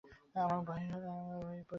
আমরা বাহির হইয়া পড়ি।